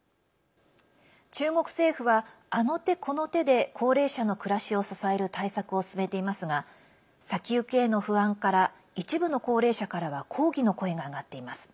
中国政府は、あの手この手で高齢者の暮らしを支える対策を進めていますが先行きへの不安から一部の高齢者からは抗議の声が上がっています。